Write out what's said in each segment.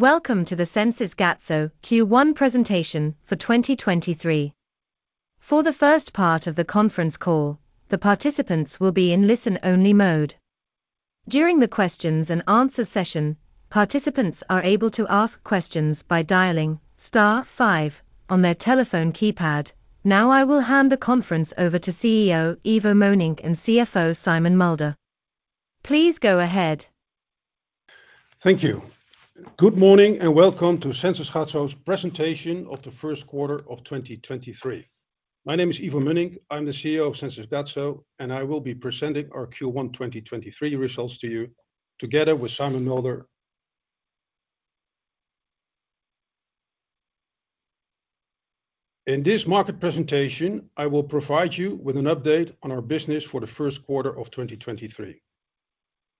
Welcome to the Sensys Gatso Q1 presentation for 2023. For the first part of the conference call, the participants will be in listen-only mode. During the questions and answer session, participants are able to ask questions by dialing star 5 on their telephone keypad. I will hand the conference over to CEO Ivo Mönnink and CFO Simon Mulder. Please go ahead. Thank you. Good morning, welcome to Sensys Gatso's presentation of the first quarter of 2023. My name is Ivo Mönnink. I'm the CEO of Sensys Gatso, and I will be presenting our Q1 2023 results to you together with Simon Mulder. In this market presentation, I will provide you with an update on our business for the first quarter of 2023.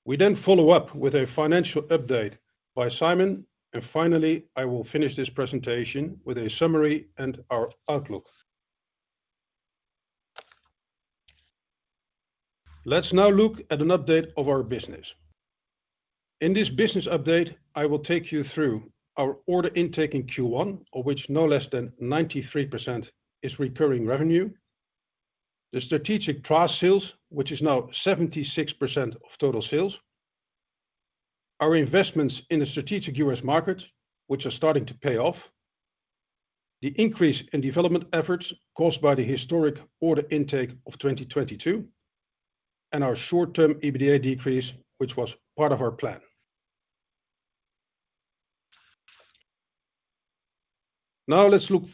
We follow up with a financial update by Simon, and finally, I will finish this presentation with a summary and our outlook. Let's now look at an update of our business. In this business update, I will take you through our order intake in Q1, of which no less than 93% is recurring revenue. The strategic TRaaS sales, which is now 76% of total sales. Our investments in the strategic U.S. market, which are starting to pay off. The increase in development efforts caused by the historic order intake of 2022, and our short-term EBITDA decrease, which was part of our plan. Let's look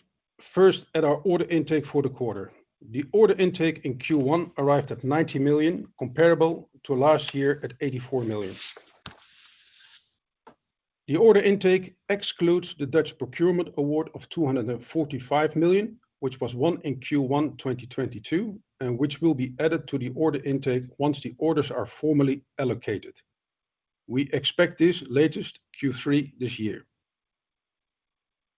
first at our order intake for the quarter. The order intake in Q1 arrived at 90 million, comparable to last year at 84 million. The order intake excludes the Dutch procurement award of 245 million, which was won in Q1 2022, and which will be added to the order intake once the orders are formally allocated. We expect this latest Q3 this year.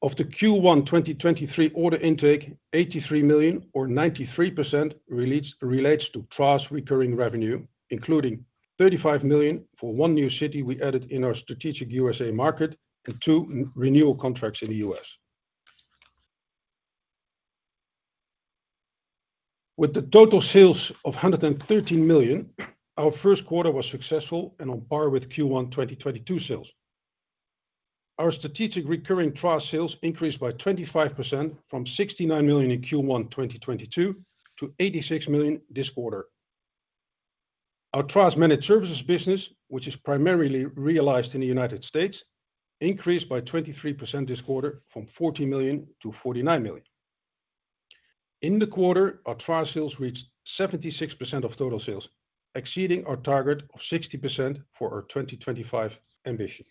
Of the Q1 2023 order intake, 83 million or 93% relates to TRaaS recurring revenue, including 35 million for one new city we added in our strategic USA market and two renewal contracts in the US. With total sales of 113 million, our first quarter was successful and on par with Q1 2022 sales. Our strategic recurring TRaaS sales increased by 25% from 69 million in Q1 2022 to 86 million this quarter. Our TRaaS managed services business, which is primarily realized in the U.S., increased by 23% this quarter from $40 million to $49 million. In the quarter, our TRaaS sales reached 76% of total sales, exceeding our target of 60% for our 2025 ambition.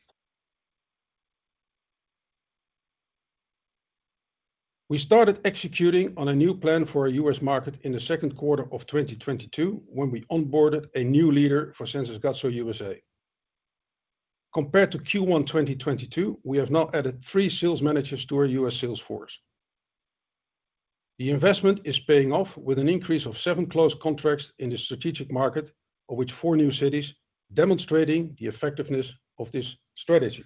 We started executing on a new plan for our U.S. market in the second quarter of 2022, when we onboarded a new leader for Sensys Gatso USA. Compared to Q1 2022, we have now added three sales managers to our U.S. sales force. The investment is paying off with an increase of 7 closed contracts in the strategic market, of which 4 new cities, demonstrating the effectiveness of this strategy.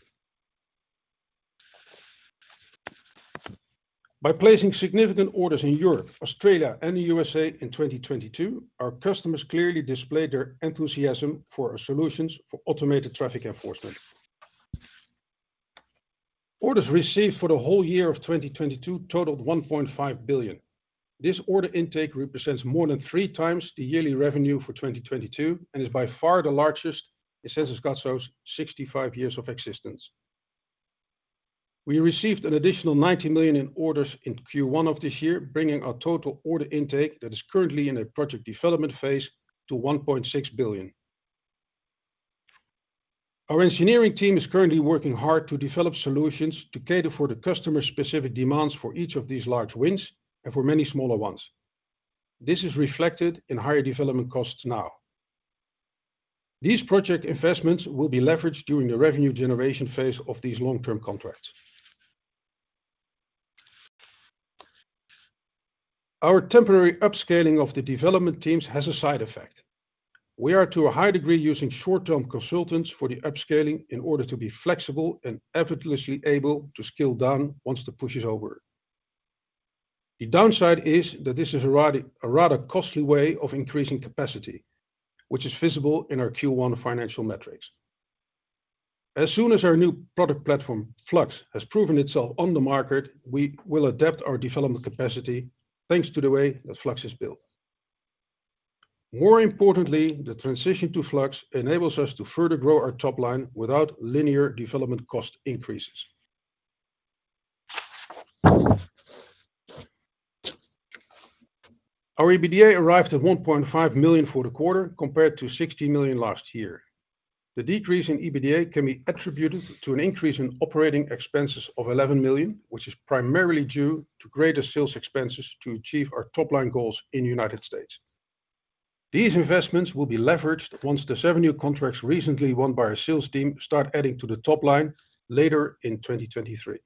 By placing significant orders in Europe, Australia, and the USA in 2022, our customers clearly displayed their enthusiasm for our solutions for automated traffic enforcement. Orders received for the whole year of 2022 totaled 1.5 billion. This order intake represents more than 3 times the yearly revenue for 2022 and is by far the largest in Sensys Gatso's 65 years of existence. We received an additional 90 million in orders in Q1 of this year, bringing our total order intake that is currently in a project development phase to 1.6 billion. Our engineering team is currently working hard to develop solutions to cater for the customer-specific demands for each of these large wins and for many smaller ones. This is reflected in higher development costs now. These project investments will be leveraged during the revenue generation phase of these long-term contracts. Our temporary upscaling of the development teams has a side effect. We are to a high degree using short-term consultants for the upscaling in order to be flexible and effortlessly able to scale down once the push is over. The downside is that this is a rather costly way of increasing capacity, which is visible in our Q1 financial metrics. As soon as our new product platform, Flux, has proven itself on the market, we will adapt our development capacity thanks to the way that Flux is built. More importantly, the transition to Flux enables us to further grow our top line without linear development cost increases. Our EBITDA arrived at 1.5 million for the quarter, compared to 60 million last year. The decrease in EBITDA can be attributed to an increase in operating expenses of 11 million, which is primarily due to greater sales expenses to achieve our top-line goals in the United States. These investments will be leveraged once the seven new contracts recently won by our sales team start adding to the top line later in 2023.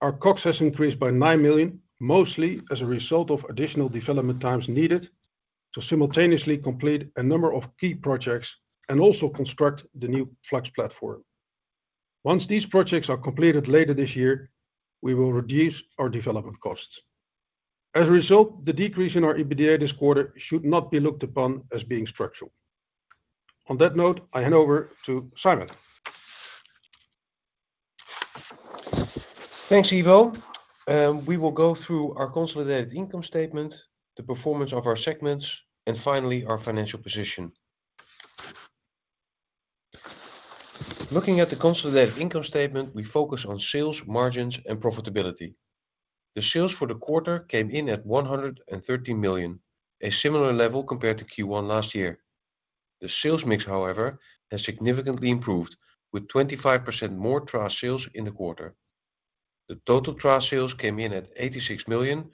Our cost has increased by 9 million, mostly as a result of additional development times needed to simultaneously complete a number of key projects and also construct the new Flux platform. Once these projects are completed later this year, we will reduce our development costs. The decrease in our EBITDA this quarter should not be looked upon as being structural. On that note, I hand over to Simon. Thanks, Ivo. We will go through our consolidated income statement, the performance of our segments, and finally, our financial position. Looking at the consolidated income statement, we focus on sales, margins, and profitability. The sales for the quarter came in at 113 million, a similar level compared to Q1 last year. The sales mix, however, has significantly improved, with 25% more TRaaS sales in the quarter. The total TRaaS sales came in at 86 million,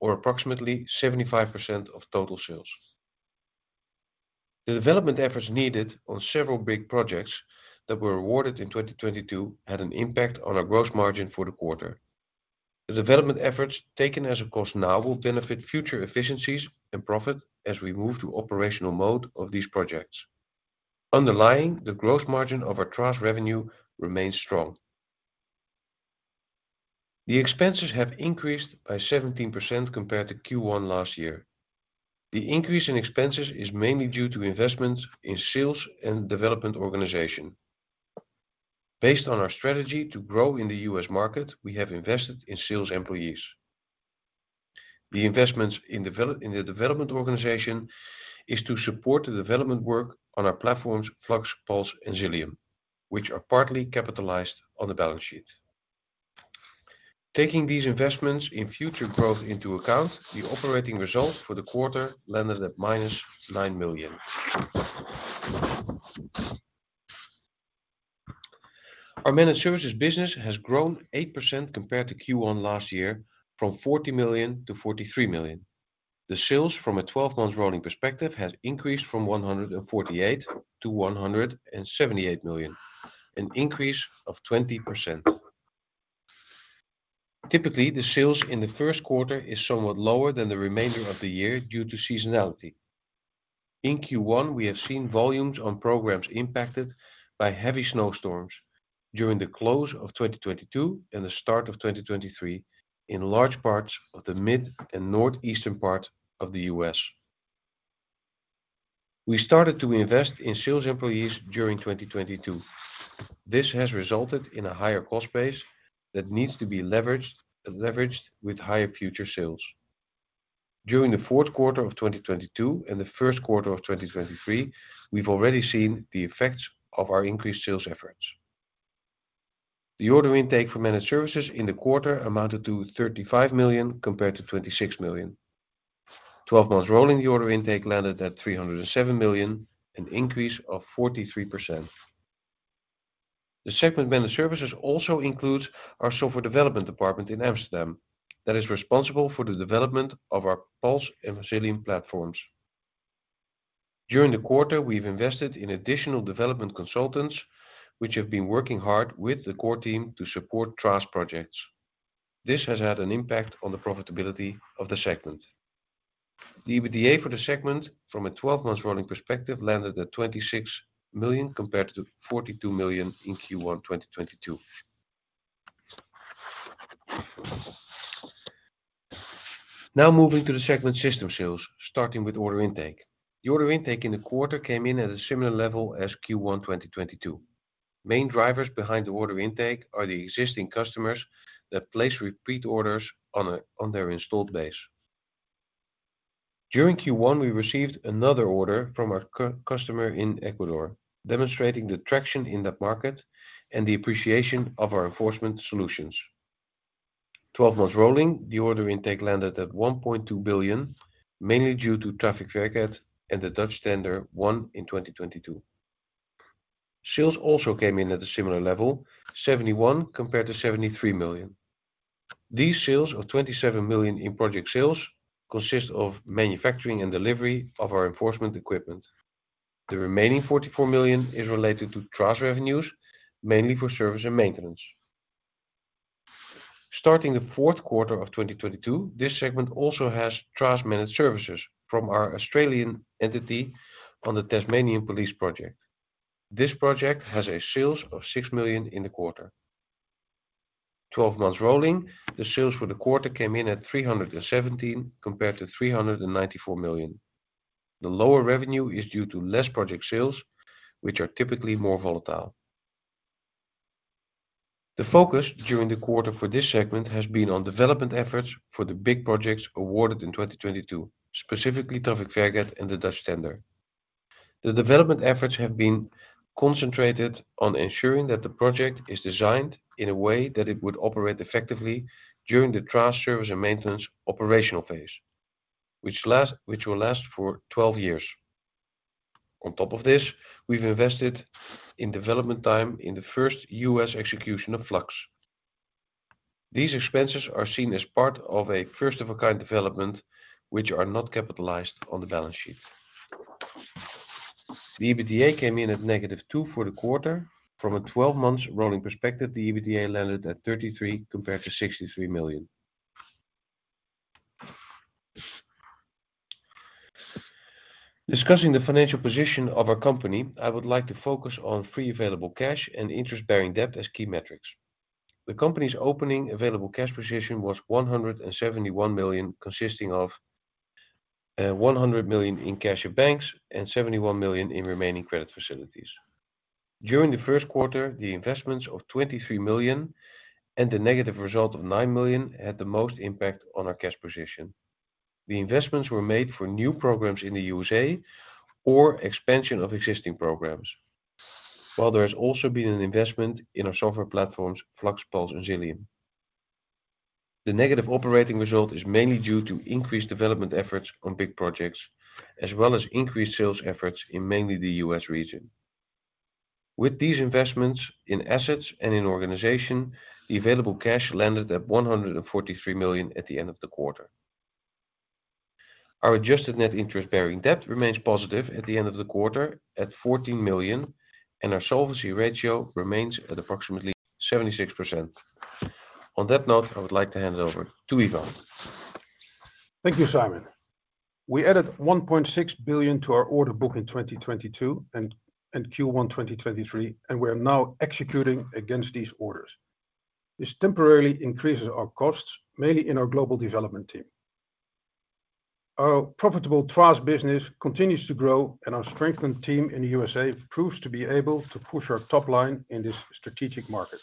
or approximately 75% of total sales. The development efforts needed on several big projects that were awarded in 2022 had an impact on our gross margin for the quarter. The development efforts taken as a cost now will benefit future efficiencies and profit as we move to operational mode of these projects. Underlying, the gross margin of our TRaaS revenue remains strong. The expenses have increased by 17% compared to Q1 last year. The increase in expenses is mainly due to investments in sales and development organization. Based on our strategy to grow in the U.S. market, we have invested in sales employees. The investments in the development organization is to support the development work on our platforms, Flux, Puls, and Xilium, which are partly capitalized on the balance sheet. Taking these investments in future growth into account, the operating results for the quarter landed at -9 million. Our managed services business has grown 8% compared to Q1 last year from 40 million to 43 million. The sales from a 12-month rolling perspective has increased from 148 million to 178 million, an increase of 20%. Typically, the sales in the first quarter is somewhat lower than the remainder of the year due to seasonality. In Q1, we have seen volumes on programs impacted by heavy snowstorms during the close of 2022 and the start of 2023 in large parts of the mid and northeastern part of the U.S. We started to invest in sales employees during 2022. This has resulted in a higher cost base that needs to be leveraged with higher future sales. During the fourth quarter of 2022 and the first quarter of 2023, we've already seen the effects of our increased sales efforts. The order intake for managed services in the quarter amounted to 35 million compared to 26 million. Twelve months rolling, the order intake landed at 307 million, an increase of 43%. The segment Managed Services also includes our software development department in Amsterdam that is responsible for the development of our Puls and Xilium platforms. During the quarter, we've invested in additional development consultants, which have been working hard with the core team to support TRaaS projects. This has had an impact on the profitability of the segment. The EBITDA for the segment from a 12-month rolling perspective landed at 26 million compared to 42 million in Q1 2022. Moving to the segment system sales, starting with order intake. The order intake in the quarter came in at a similar level as Q1 2022. Main drivers behind the order intake are the existing customers that place repeat orders on their installed base. During Q1, we received another order from our customer in Ecuador, demonstrating the traction in that market and the appreciation of our enforcement solutions. Twelve months rolling, the order intake landed at 1.2 billion, mainly due to Trafikverket and the Dutch tender won in 2022. Sales also came in at a similar level, 71 compared to 73 million. These sales of 27 million in project sales consist of manufacturing and delivery of our enforcement equipment. The remaining 44 million is related to TRaaS revenues, mainly for service and maintenance. Starting the fourth quarter of 2022, this segment also has TRaaS Managed Services from our Australian entity on the Tasmania Police project. This project has a sales of 6 million in the quarter. Twelve months rolling, the sales for the quarter came in at 317 compared to 394 million. The lower revenue is due to less project sales, which are typically more volatile. The focus during the quarter for this segment has been on development efforts for the big projects awarded in 2022, specifically Trafikverket and the Dutch tender. The development efforts have been concentrated on ensuring that the project is designed in a way that it would operate effectively during the TRaaS service and maintenance operational phase, which will last for 12 years. On top of this, we've invested in development time in the first U.S. execution of Flux. These expenses are seen as part of a first-of-a-kind development, which are not capitalized on the balance sheet. The EBITDA came in at -2 million for the quarter. From a 12 months rolling perspective, the EBITDA landed at 33 million compared to 63 million. Discussing the financial position of our company, I would like to focus on free available cash and interest-bearing debt as key metrics. The company's opening available cash position was 171 million, consisting of 100 million in cash at banks and 71 million in remaining credit facilities. During the first quarter, the investments of 23 million and the negative result of 9 million had the most impact on our cash position. The investments were made for new programs in the USA or expansion of existing programs. While there has also been an investment in our software platforms, Flux, Puls, and Xilium. The negative operating result is mainly due to increased development efforts on big projects, as well as increased sales efforts in mainly the U.S. region. With these investments in assets and in organization, the available cash landed at 143 million at the end of the quarter. Our adjusted net interest-bearing debt remains positive at the end of the quarter at 14 million. Our solvency ratio remains at approximately 76%. On that note, I would like to hand it over to Ivo Mönnink. Thank you, Simon. We added 1.6 billion to our order book in 2022 and Q1 2023, and we are now executing against these orders. This temporarily increases our costs, mainly in our global development team. Our profitable TRaaS business continues to grow, and our strengthened team in the USA proves to be able to push our top line in this strategic market.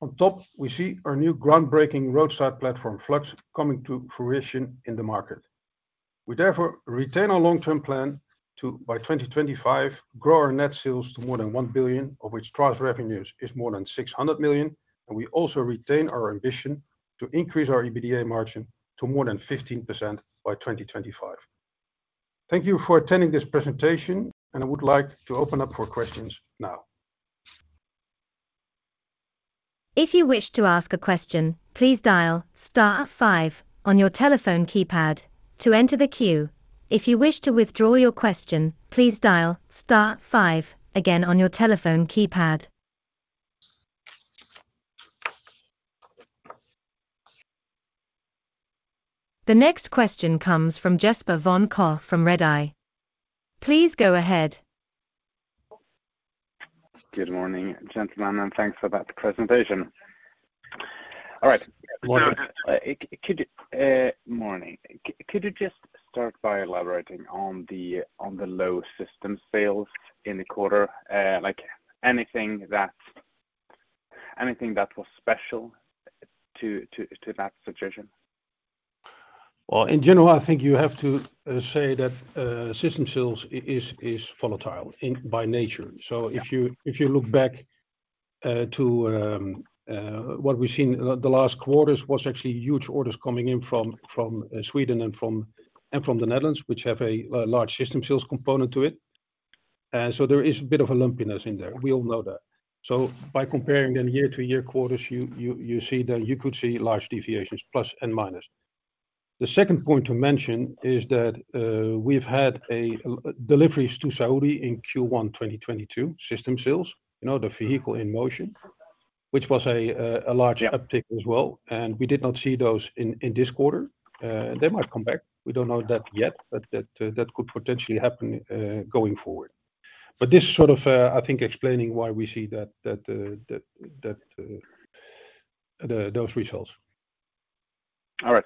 On top, we see our new groundbreaking roadside platform, Flux, coming to fruition in the market. We therefore retain our long-term plan to, by 2025, grow our net sales to more than 1 billion, of which TRaaS revenues is more than 600 million, and we also retain our ambition to increase our EBITDA margin to more than 15% by 2025. Thank you for attending this presentation, and I would like to open up for questions now. If you would like to ask a question, please dial star 5 on your telephone. We will take the first question from Taylor McGinnis from UBS. Good morning, gentlemen, and thanks for that presentation. All right. Morning. Morning. Could you just start by elaborating on the low system sales in the quarter, like anything that was special to that situation? Well, in general, I think you have to say that, system sales is volatile in by nature. Yeah. If you look back to what we've seen the last quarters was actually huge orders coming in from Sweden and from the Netherlands, which have a large system sales component to it. There is a bit of a lumpiness in there. We all know that. By comparing then year-to-year quarters, you see that you could see large deviations, plus and minus. The second point to mention is that we've had a deliveries to Saudi in Q1 2022 system sales, you know, the Vehicle in Motion, which was a large uptick as well. Yeah. We did not see those in this quarter. They might come back. We don't know that yet, that could potentially happen going forward. This sort of, I think explaining why we see that, uh, that, uh, those results. All right.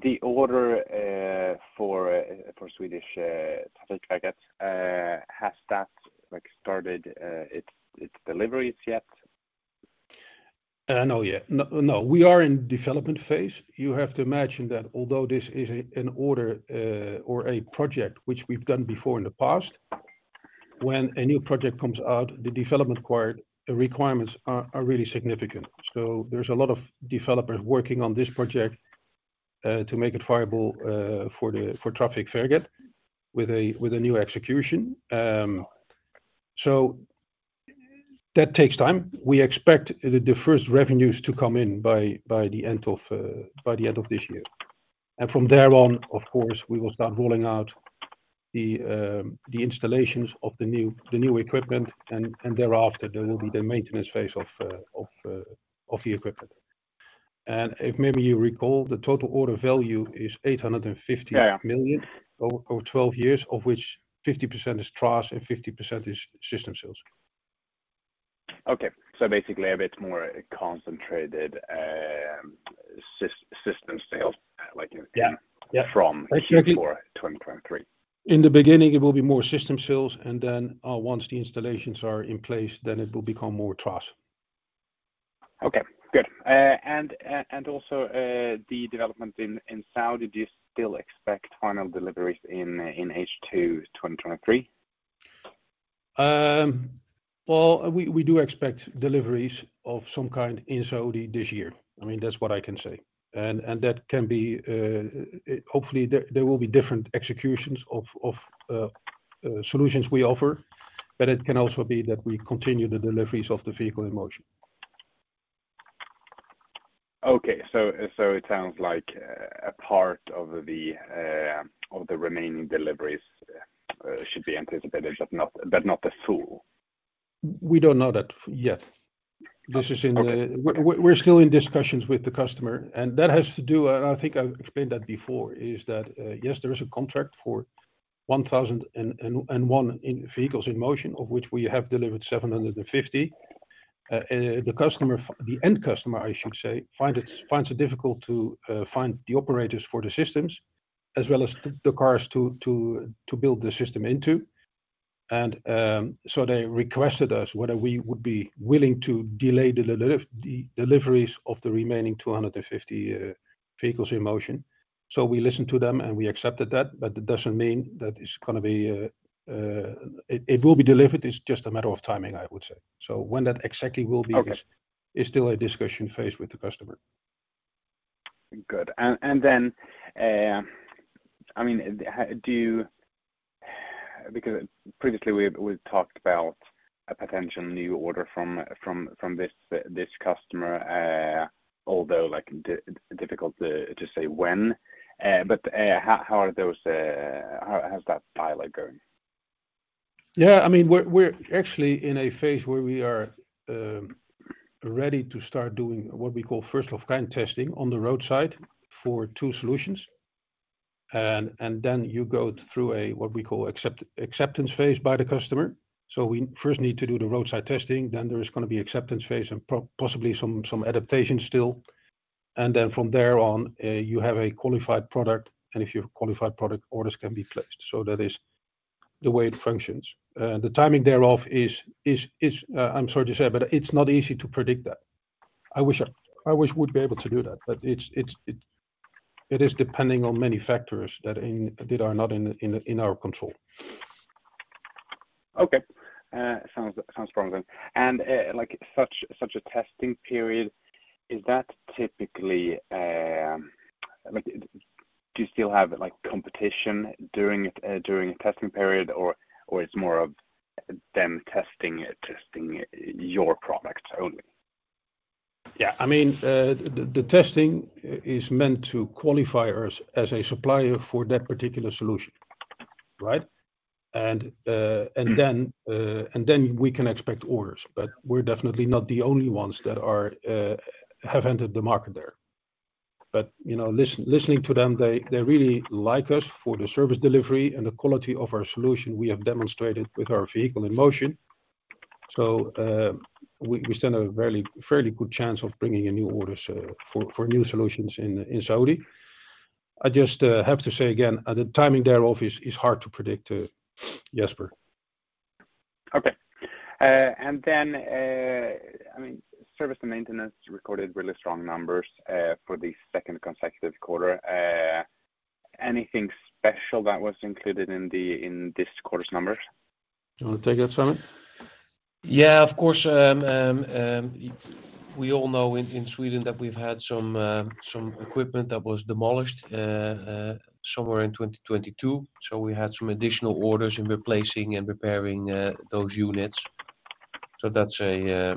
The order for Swedish Trafikverket has that, like, started its deliveries yet? Not yet. No. We are in development phase. You have to imagine that although this is an order, or a project which we've done before in the past, when a new project comes out, the development requirements are really significant. There's a lot of developers working on this project to make it viable for the Trafikverket with a new execution. That takes time. We expect the first revenues to come in by the end of this year. From there on, of course, we will start rolling out the installations of the new equipment, and thereafter there will be the maintenance phase of the equipment. If maybe you recall, the total order value is 850 million. Yeah. Over 12 years, of which 50% is TRaaS and 50% is system sales. Okay. basically a bit more concentrated, system sales, like. Yeah. From Q4 2023. In the beginning, it will be more system sales, and then, once the installations are in place, then it will become more TRaaS. Good. Also, the development in Saudi, do you still expect final deliveries in H2 2023? Well, we do expect deliveries of some kind in Saudi this year. I mean, that's what I can say. That can be, hopefully there will be different executions of solutions we offer, but it can also be that we continue the deliveries of the Vehicle in Motion. Okay. It sounds like a part of the remaining deliveries, should be anticipated, but not the full. We don't know that yet. This is in the... We're still in discussions with the customer, and that has to do, and I think I've explained that before, is that, yes, there is a contract for 1,001 Vehicle in Motion, of which we have delivered 750. The customer, the end customer, I should say, finds it difficult to find the operators for the systems as well as the cars to build the system into. They requested us whether we would be willing to delay the deliveries of the remaining 250 Vehicle in Motion. We listened to them, and we accepted that, but that doesn't mean that it's gonna be... It will be delivered, it's just a matter of timing, I would say. When that exactly will be. Okay. Is still a discussion phase with the customer. Good. I mean, do you... Because previously we talked about a potential new order from this customer, although, like, difficult to say when. How are those, how's that pilot going? Yeah. I mean, we're actually in a phase where we are ready to start doing what we call first-of-kind testing on the roadside for 2 solutions. You go through a what we call acceptance phase by the customer. We first need to do the roadside testing, then there is gonna be acceptance phase and possibly some adaptation still. From there on, you have a qualified product, and if you have a qualified product, orders can be placed. That is the way it functions. The timing thereof is I'm sorry to say, but it's not easy to predict that. I wish we'd be able to do that, but it's it is depending on many factors that are not in our control. Okay. sounds promising. Like, such a testing period, is that typically, Do you still have, like, competition during a testing period or it's more of them testing your product only? Yeah. I mean, the testing is meant to qualify us as a supplier for that particular solution. Right? We can expect orders, but we're definitely not the only ones that have entered the market there. You know, listening to them, they really like us for the service delivery and the quality of our solution we have demonstrated with our Vehicle in Motion. We stand a very fairly good chance of bringing in new orders for new solutions in Saudi. I just have to say again, the timing thereof is hard to predict, Jesper. Okay. I mean, service and maintenance recorded really strong numbers, for the second consecutive quarter. Anything special that was included in this quarter's numbers? Do you wanna take that, Simon? Yeah, of course. We all know in Sweden that we've had some equipment that was demolished somewhere in 2022. We had some additional orders in replacing and repairing those units. That's a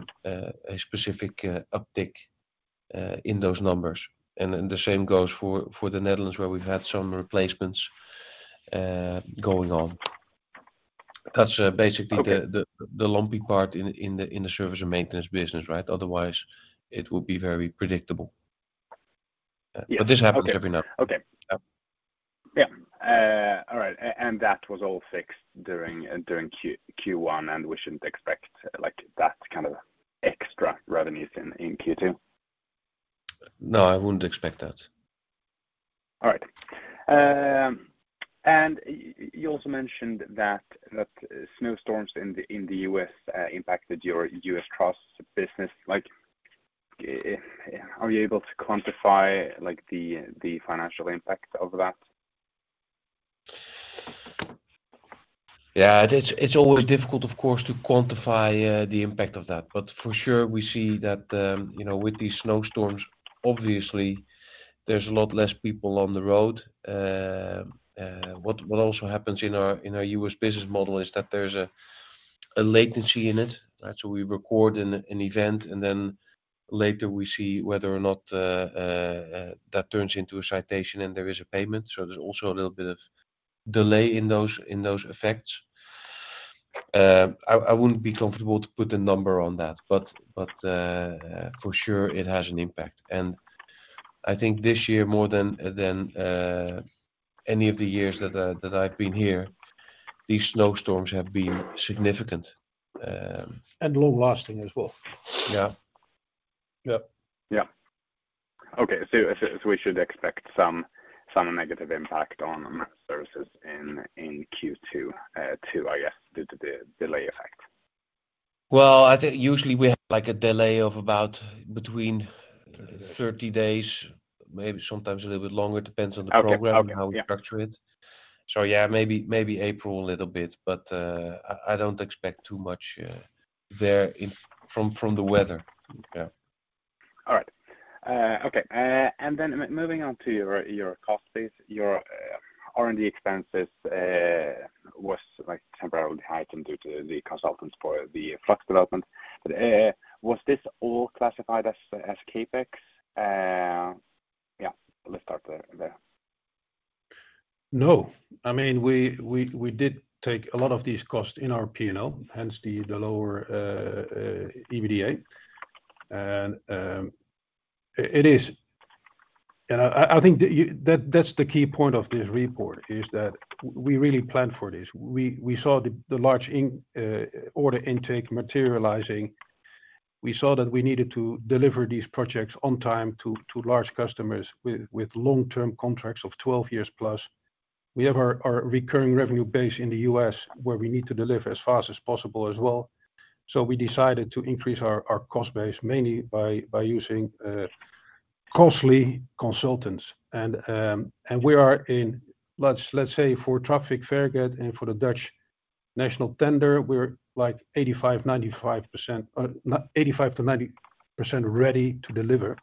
specific uptick in those numbers. The same goes for the Netherlands, where we've had some replacements going on. That's basically the lumpy part in the service and maintenance business, right? Otherwise, it will be very predictable. Yeah. Okay. This happens every now and then. Okay. Yeah. Yeah. All right. That was all fixed during Q1, and we shouldn't expect, like, that kind of extra revenues in Q2? No, I wouldn't expect that. All right. You also mentioned that snowstorms in the U.S. impacted your U.S. TRaaS business. Like, are you able to quantify, like, the financial impact of that? It's always difficult, of course, to quantify the impact of that. For sure, we see that, you know, with these snowstorms, obviously, there's a lot less people on the road. What also happens in our U.S. business model is that there's a latency in it. We record an event, and then later we see whether or not that turns into a citation and there is a payment. There's also a little bit of delay in those effects. I wouldn't be comfortable to put a number on that, but for sure it has an impact. I think this year, more than any of the years that I've been here, these snowstorms have been significant. Long-lasting as well. Yeah. Yeah. Yeah. Okay. We should expect some negative impact on services in Q2, too, I guess, due to the delay effect. I think usually we have, like, a delay of about between 30 days, maybe sometimes a little bit longer, depends on the program. Okay. Okay. Yeah ...and how we structure it. Yeah, maybe April a little bit, but I don't expect too much there from the weather. Yeah. All right. Okay. Moving on to your cost base, your R&D expenses, was like temporarily heightened due to the consultants for the Flux development. Was this all classified as CapEx? Yeah, let's start there. No. I mean, we did take a lot of these costs in our P&L, hence the lower EBITDA. It is. I think that's the key point of this report, is that we really planned for this. We saw the large order intake materializing. We saw that we needed to deliver these projects on time to large customers with long-term contracts of 12 years plus. We have our recurring revenue base in the U.S. where we need to deliver as fast as possible as well. We decided to increase our cost base mainly by using costly consultants. We are in, let's say for Trafikverket and for the Dutch national tender, we're like 85%-95%... or not, 85%-90% ready to deliver.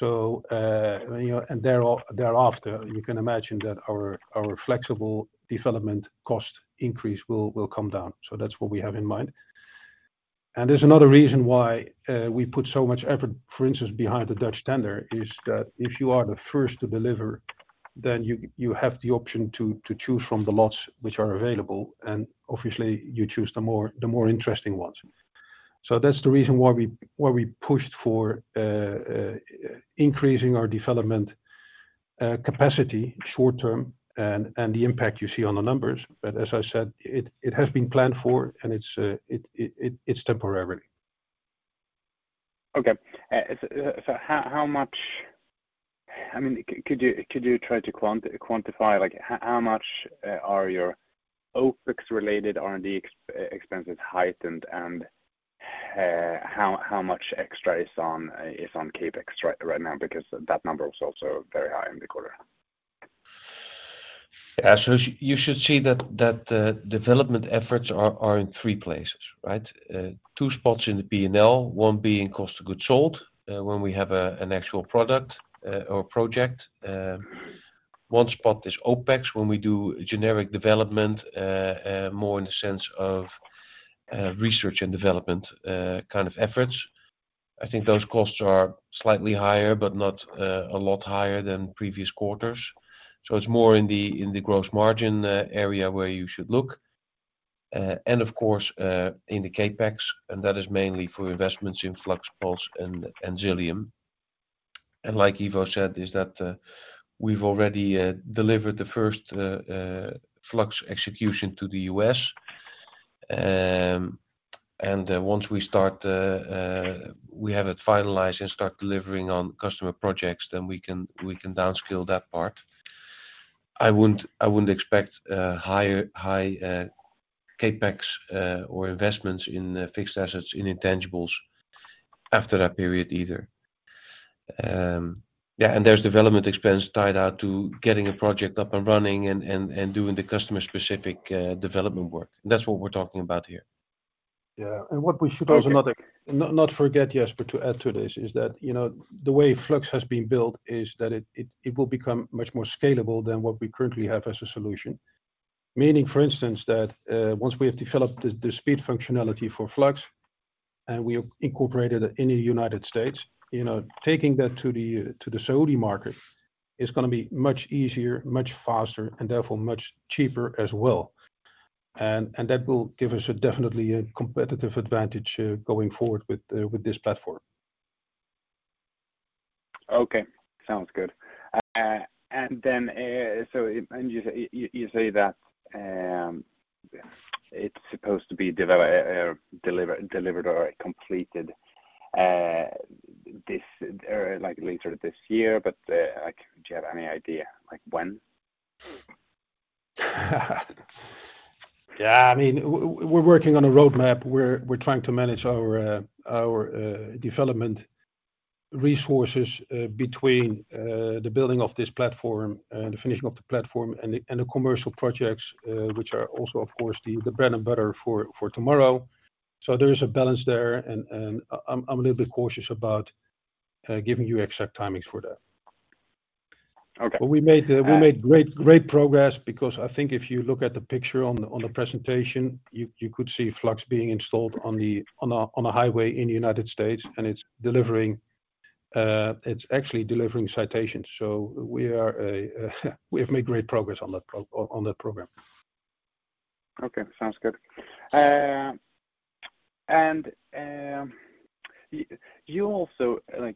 you know, thereafter, you can imagine that our flexible development cost increase will come down. That's what we have in mind. There's another reason why we put so much effort, for instance, behind the Dutch tender, is that if you are the first to deliver, then you have the option to choose from the lots which are available, and obviously you choose the more interesting ones. That's the reason why we pushed for increasing our development capacity short term and the impact you see on the numbers. As I said, it has been planned for and it's temporary. Okay. How much... I mean, could you try to quantify, like, how much are your OpEx-related R&D expenses heightened, and how much extra is on CapEx right now? Because that number was also very high in the quarter. Yeah. You should see that development efforts are in three places, right? Two spots in the P&L, one being cost of goods sold, when we have an actual product or project. One spot is OPEX, when we do generic development, more in the sense of research and development kind of efforts. I think those costs are slightly higher, but not a lot higher than previous quarters. It's more in the gross margin area where you should look. Of course, in the CapEx, that is mainly for investments in Flux, Puls, and Xilium. Like Ivo said, is that we've already delivered the first Flux execution to the US. Once we start, we have it finalized and start delivering on customer projects, then we can downscale that part. I wouldn't expect higher CapEx or investments in fixed assets in intangibles after that period either. Yeah, there's development expense tied out to getting a project up and running and doing the customer-specific development work. That's what we're talking about here. Yeah. What we should also not forget, Jasper, to add to this, is that, you know, the way Flux has been built is that it will become much more scalable than what we currently have as a solution. Meaning, for instance, that once we have developed the speed functionality for Flux, and we have incorporated it in the United States, you know, taking that to the Saudi market is gonna be much easier, much faster, and therefore much cheaper as well. That will give us a definitely a competitive advantage going forward with this platform. Okay. Sounds good. You say that, it's supposed to be delivered or completed, this, like later this year. Like do you have any idea like when? Yeah. I mean, we're working on a roadmap. We're trying to manage our development resources between the building of this platform and the finishing of the platform and the commercial projects which are also, of course, the bread and butter for tomorrow. there is a balance there, and I'm a little bit cautious about giving you exact timings for that. Okay. We made great progress because I think if you look at the picture on the presentation, you could see Flux being installed on a highway in the United States, and it's actually delivering citations. We are, we have made great progress on that program. Okay. Sounds good. You also, at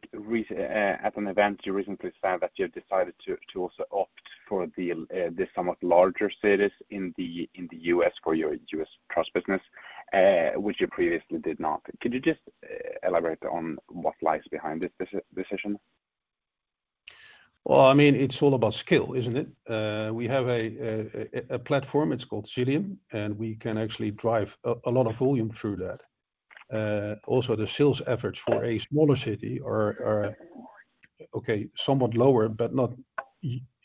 an event you recently said that you have decided to also opt for the somewhat larger cities in the U.S. for your U.S. TRaaS business, which you previously did not. Could you just elaborate on what lies behind this decision? Well, I mean, it's all about scale, isn't it? We have a platform, it's called Xilium, and we can actually drive a lot of volume through that. Also the sales efforts for a smaller city are, okay, somewhat lower, but not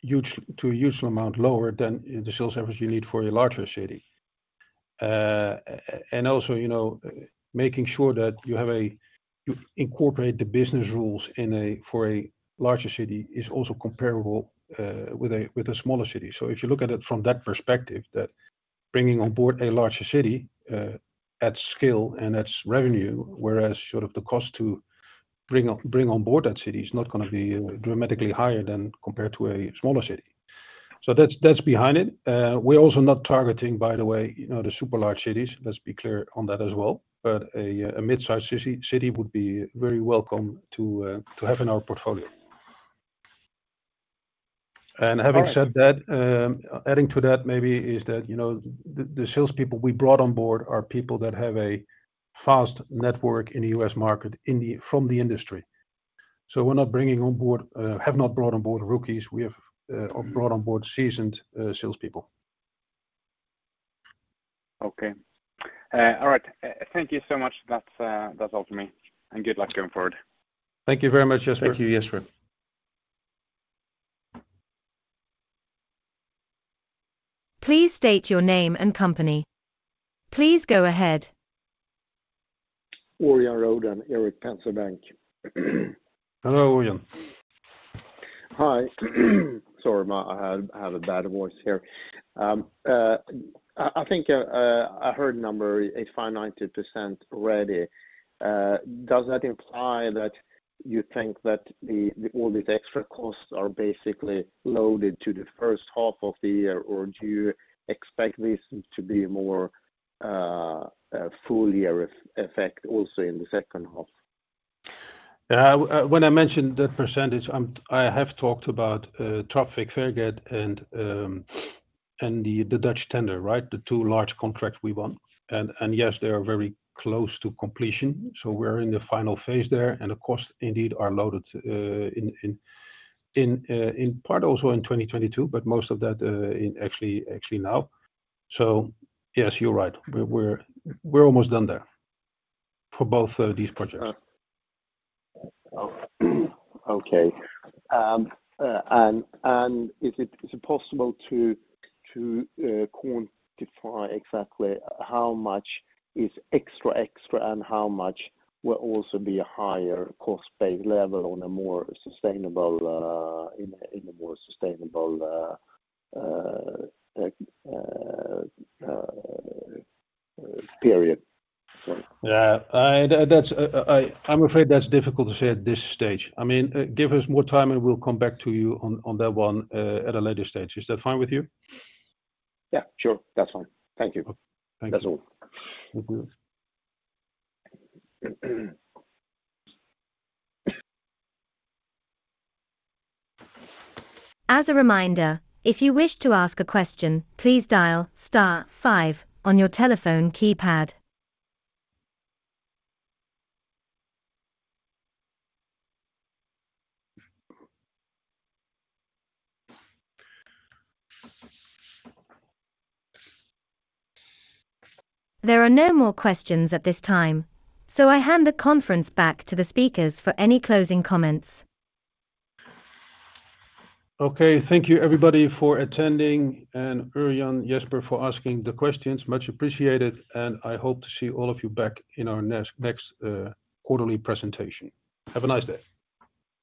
huge, to a huge amount lower than the sales efforts you need for a larger city. Also, you know, making sure that you incorporate the business rules for a larger city is also comparable with a smaller city. If you look at it from that perspective, that bringing on board a larger city adds scale and adds revenue, whereas sort of the cost to bring on board that city is not gonna be dramatically higher than compared to a smaller city. That's behind it. We're also not targeting, by the way, you know, the super large cities. Let's be clear on that as well. A mid-size city would be very welcome to have in our portfolio. All right. Having said that, adding to that maybe is that, you know, the salespeople we brought on board are people that have a vast network in the U.S. market from the industry. We're not bringing on board, have not brought on board rookies. We have brought on board seasoned salespeople. Okay. All right. Thank you so much. That's all for me. Good luck going forward. Thank you very much, Jesper. Thank you, Jesper. Please state your name and company. Please go ahead. Örjan Rödén, Erik Penser Bank. Hello, Örjan. Hi. Sorry, my... I have a bad voice here. I think I heard a number 85%, 90% ready. Does that imply that you think that all these extra costs are basically loaded to the first half of the year, or do you expect this to be more full year effect also in the second half? When I mentioned that percentage, I have talked about Trafikverket and the Dutch tender, right? The two large contracts we won. Yes, they are very close to completion, so we're in the final phase there. Of course, indeed are loaded in part also in 2022, but most of that now. Yes, you're right. We're almost done there for both these projects. Oh. Okay. Is it possible to quantify exactly how much is extra extra and how much will also be a higher cost base level on a more sustainable tech period? Sorry. I'm afraid that's difficult to say at this stage. I mean, give us more time, and we'll come back to you on that one at a later stage. Is that fine with you? Yeah, sure. That's fine. Thank you. Okay. Thank you. That's all...... As a reminder, if you wish to ask a question, please dial star five on your telephone keypad. There are no more questions at this time. I hand the conference back to the speakers for any closing comments. Okay, thank you everybody for attending and Örjan, Jesper for asking the questions. Much appreciated, and I hope to see all of you back in our next quarterly presentation. Have a nice day.